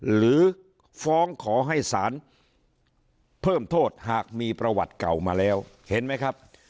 หรือฟ้องขอให้สารเพิ่มโทษหากมีประวัติเก่ามาแล้วเห็นไหมครับ